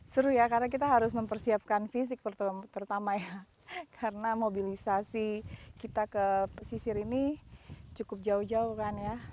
seru ya karena kita harus mempersiapkan fisik terutama ya karena mobilisasi kita ke pesisir ini cukup jauh jauh kan ya